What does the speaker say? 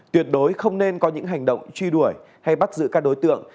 tuyệt đối không nên có những hành động truy đuổi hay bắt giữ các đối tượng